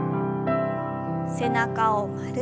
背中を丸く。